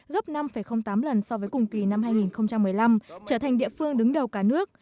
gấp năm tám lần so với cùng kỳ năm hai nghìn một mươi năm trở thành địa phương đứng đầu cả nước